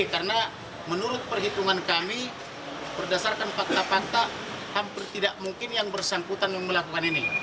karena menurut perhitungan kami berdasarkan fakta fakta hampir tidak mungkin yang bersangkutan melakukan ini